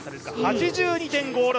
８２．５６。